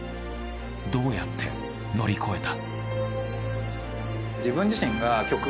どうやって乗り越えた？